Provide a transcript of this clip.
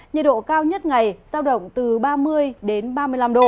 nhiệt độ cao nhất ngày giao động từ ba mươi ba mươi năm độ